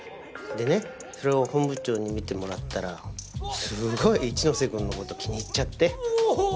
でねそれを本部長に見てもらったらすごい一ノ瀬くんの事気に入っちゃって。